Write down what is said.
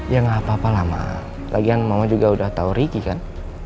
ya gak apa apa lama lagian mama juga udah tahu ricky kan